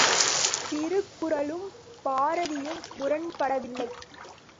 திருக்குறளும் பாரதியும் முரண்படவில்லை.